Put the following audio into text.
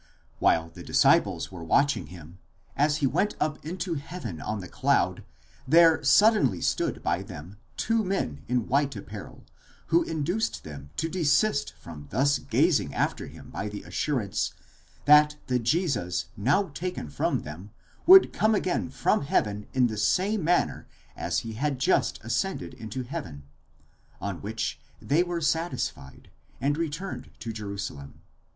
While the disciples were watching him, as he went up into heaven on the cloud, there suddenly stood by them two men in white apparel, who induced them to desist from thus gazing after him by the assurance, that the Jesus now taken from them would come again from heaven in the same manner as he had just ascended into heaven ; on which they were satisfied, and returned to Jerusalem (i.